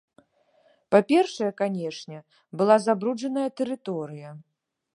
Па-першае, канечне, была забруджаная тэрыторыя.